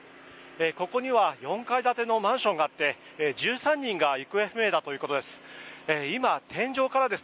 ここには４階建てのマンションがあって１３人が行方不明だということです。